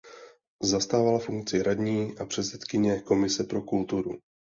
Zastávala funkci radní a předsedkyně Komise pro kulturu.